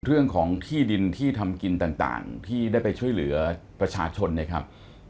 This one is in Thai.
เรื่องของที่ดินที่ทำกินต่างที่ได้ไปช่วยเหลือประชาชนนะครับ